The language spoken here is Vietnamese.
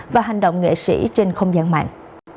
và hành động nghệ sĩ trên không gian mạng